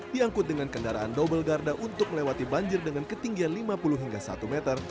diangkut dengan kendaraan double garda untuk melewati banjir dengan ketinggian lima puluh hingga satu meter